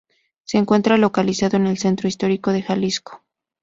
Se encuentra localizado en el centro histórico de Jalisco.